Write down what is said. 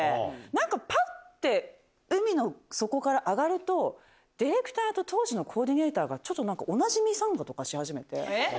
なんか、ぱって海の底から上がると、ディレクターと当時のコーディネーターが、ちょっとなんか、同じミサンガとかし始めて。